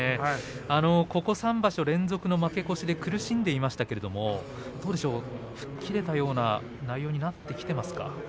ここ３場所の連続の負け越しで苦しんでいましたけれども、どうでしょうか吹っ切れたような内容になってきていますか。